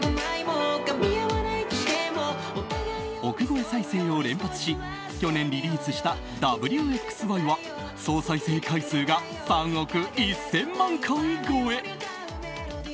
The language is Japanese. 億超え再生を連発し去年リリースした「Ｗ／Ｘ／Ｙ」は総再生回数が３億１０００万回超え。